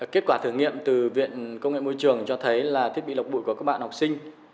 kết quả thử nghiệm từ viện công nghệ môi trường cho thấy là thiết bị lọc bụi của các bạn học sinh